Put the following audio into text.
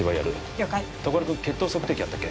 了解徳丸君血糖測定器あったっけ？